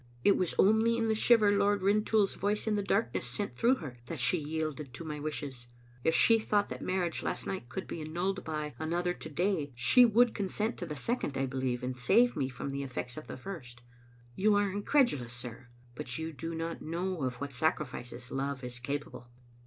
It was only in the shiver Lord Rintoul's voice in the darkness sent through her that she yielded to my wishes. If she thought that marriage last night could be annulled by another to day, she would consent to the second, I believe, to save me from the effects of the first. You are incredulous, sir; but yqu do not know of what sacrifices love is capable."